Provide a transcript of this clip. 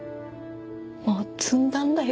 もう詰んだんだよ